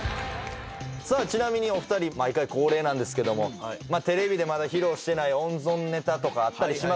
ちなみにお二人毎回恒例なんですけどもテレビでまだ披露してない温存ネタとかあったりしますか？